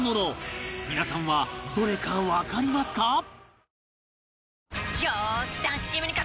皆さんはどれかわかりますか？